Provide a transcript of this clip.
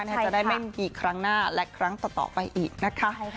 จะได้ไม่มีครั้งหน้าและครั้งต่อไปอีกนะคะ